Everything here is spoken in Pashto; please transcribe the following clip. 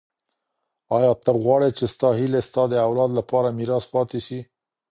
ایا ته غواړې چي ستا هیلې ستا د اولاد لپاره ميراث پاته سي؟